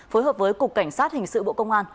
phối hợp với cục cảnh sát hình sự bộ công an